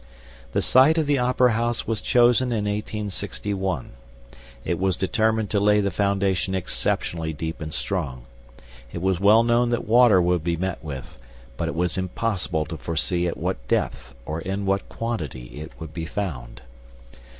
"The site of the Opera House was chosen in 1861. It was determined to lay the foundation exceptionally deep and strong. It was well known that water would be met with, but it was impossible to foresee at what depth or in what quantity it would be found.